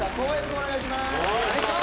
お願いします